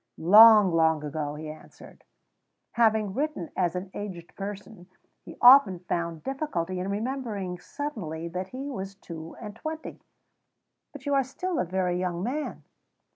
"Long, long ago," he answered. (Having written as an aged person, he often found difficulty in remembering suddenly that he was two and twenty.) "But you are still a very young man."